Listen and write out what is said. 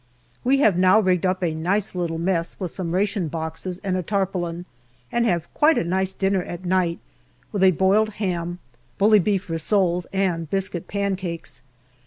We have now rigged up a nice little mess with some ration boxes and a tarpaulin, and have quite a nice dinner at night with a boiled ham, bully beef rissoles, and biscuit pancakes.